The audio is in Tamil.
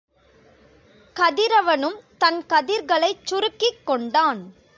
கதிரவனும் தன் கதிர்களைச் சுருக்கிக் கொண்டான்.